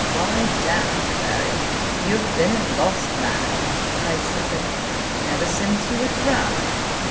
"Why, damme, Clary! you have been a lost man," cried Sir Philip, "ever since you were drowned.